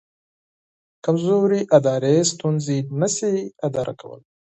کمزوري ادارې ستونزې نه شي اداره کولی.